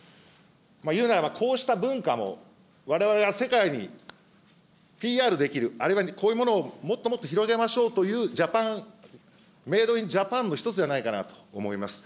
いうなれば、こうした文化もわれわれは世界にＰＲできる、あるいはこういうものをもっともっと広げましょうという、ジャパン、メイドインジャパンの一つではないかなと思います。